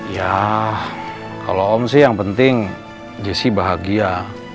ya kalau om sih yang penting jessi bahagia